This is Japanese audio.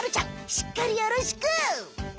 しっかりよろしく！